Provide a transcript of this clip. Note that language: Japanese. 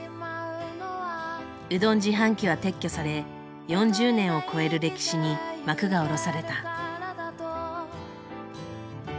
うどん自販機は撤去され４０年を超える歴史に幕が下ろされた。